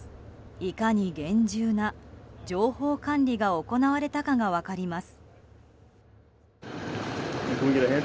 いかに厳重な情報管理が行われたかが分かります。